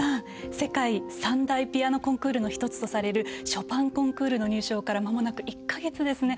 世界三大ピアノコンクールの１つとされるショパンコンクールの入賞からまもなく１か月ですね。